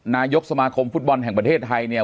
นายกสมาคมฟุตบอลแห่งประเทศไทยเนี่ย